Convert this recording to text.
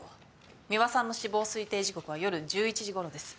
美和さんの死亡推定時刻は夜１１時ごろです。